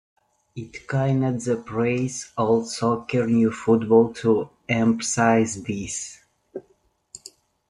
It coined the phrase "old soccer, new football" to emphasise this.